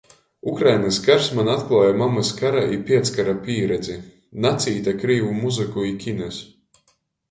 Ukrainys kars maņ atkluoja mamys kara i pieckara pīredzi. Nacīte krīvu muzyku i kinys.